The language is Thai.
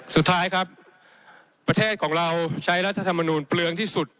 สุดท้ายครับประเทศของเราใช้รัฐธรรมนูลเปลืองที่สุด